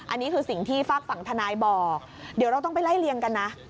อันนี้คือสิ่งที่ฝากฝั่งทนายบอกเดี๋ยวเราต้องไปไล่เลี่ยงกันนะ